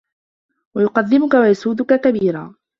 وَيُقَدِّمُك وَيُسَوِّدُك كَبِيرًا